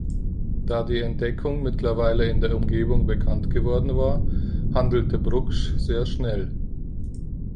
Da die Entdeckung mittlerweile in der Umgebung bekannt geworden war, handelte Brugsch sehr schnell.